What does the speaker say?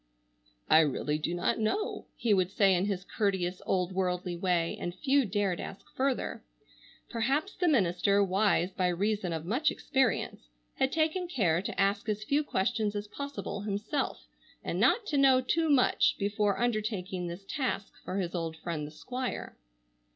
"I really do not know," he would say in his courteous, old worldly way, and few dared ask further. Perhaps the minister, wise by reason of much experience, had taken care to ask as few questions as possible himself, and not to know too much before undertaking this task for his old friend the Squire.